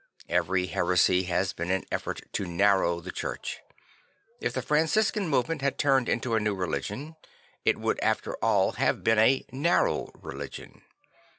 Every heresy has been an effort to narrow the Church. If the Franciscan movement had turned into a new religion, it would after all have been a narrow religion.